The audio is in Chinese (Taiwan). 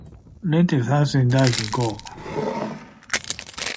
連接到大螢幕